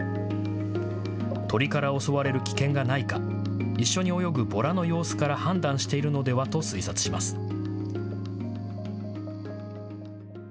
鳥から襲われる危険がないか一緒に泳ぐボラの様子から判断しているのではと推察します。